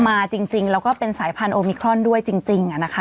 มาจริงแล้วก็เป็นสายพันธุมิครอนด้วยจริง